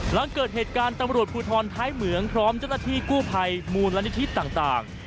หลังเกิดเหตุการณ์ตำรวจภูทรท้ายเหมืองพร้อมเจ้าหน้าที่กู้ภัยมูลนิธิต่าง